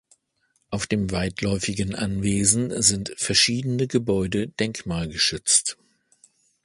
Auf dem weitläufigen Anwesen sind verschiedene Gebäude denkmalgeschützt.